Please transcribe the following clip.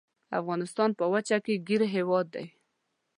افغانستان په وچه کې ګیر هیواد دی.